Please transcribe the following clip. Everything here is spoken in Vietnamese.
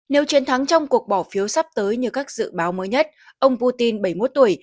nếu chiến thắng trong cuộc bỏ phiếu sắp tới như các dự báo mới nhất ông putin bảy mươi một tuổi